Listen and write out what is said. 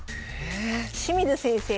清水先生